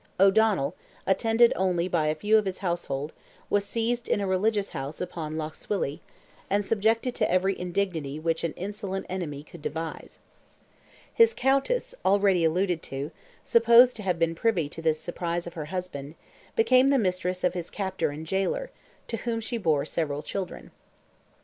O'Donnell, attended only by a few of his household, was seized in a religious house upon Lough Swilly, and subjected to every indignity which an insolent enemy could devise. His Countess, already alluded to, supposed to have been privy to this surprise of her husband, became the mistress of his captor and jailer, to whom she bore several children.